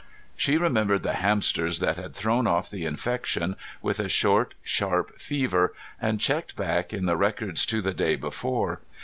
She remembered the hamsters that had thrown off the infection with a short sharp fever, and checked back in the records to the day before.